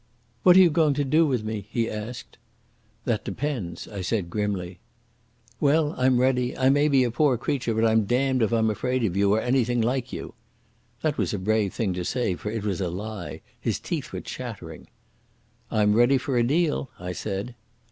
"What are you going to do with me?" he asked. "That depends," I said grimly. "Well, I'm ready. I may be a poor creature, but I'm damned if I'm afraid of you, or anything like you." That was a brave thing to say, for it was a lie; his teeth were chattering. "I'm ready for a deal," I said.